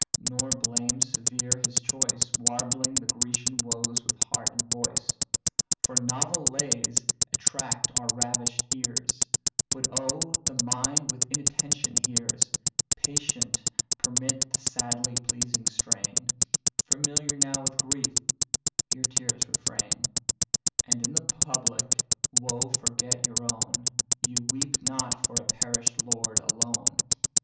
nor blame severe his choice, Warbling the Grecian woes with heart and voice; For novel lays attract our ravish'd ears; But old, the mind with inattention hears: Patient permit the sadly pleasing strain; Familiar now with grief, your tears refrain, And in the public woe forget your own; You weep not for a perish'd lord alone.